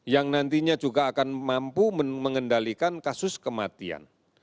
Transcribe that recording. yang nantinya juga akan mampu mengendalikan kasus kematian